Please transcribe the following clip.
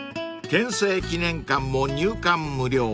［憲政記念館も入館無料］